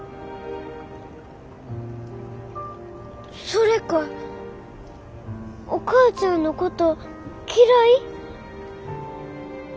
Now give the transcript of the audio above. それかお母ちゃんのこと嫌い？